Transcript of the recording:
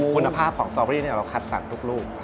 คุณภาพของซอฟเวอรี่เนี่ยเราคัดสัดลูกครับ